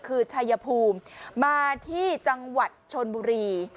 คือชัยภูมิมาที่จังหวัดชนบุรี